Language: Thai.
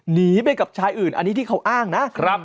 หนีไปกับชายอื่นอันนี้ที่เขาอ้างนะ